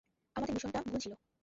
আমাদের মিশনটা ভুল ছিল।